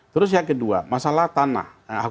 terus yang kedua masalah tanah